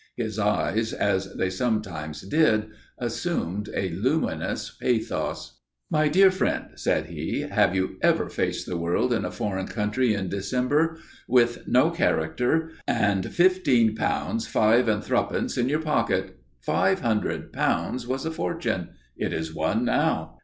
His eyes, as they sometimes did, assumed a luminous pathos. [Illustration: "I'LL TAKE FIVE HUNDRED POUNDS," SAID HE, "TO STAY IN"] "My dear friend," said he, "have you ever faced the world in a foreign country in December with no character and fifteen pounds five and three pence in your pocket? Five hundred pounds was a fortune. It is one now.